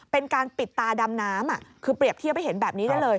เป็นการปิดตาดำน้ำคือเปรียบเทียบให้เห็นแบบนี้ได้เลย